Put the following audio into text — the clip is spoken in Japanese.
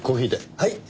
はい。